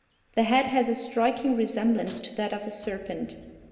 The head has a striking resemblance to that of a serpent.